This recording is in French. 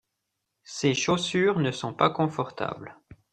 ces chaussures ne sont pas confortables.